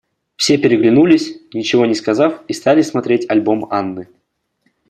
Все переглянулись, ничего не сказав, и стали смотреть альбом Анны.